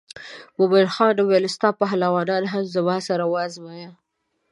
مومن خان وویل ستا پهلوانان هم زما سره وازمایه.